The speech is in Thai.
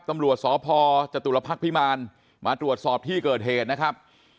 ตำรวจสพจตุลพักษ์พิมารมาตรวจสอบที่เกิดเหตุนะครับ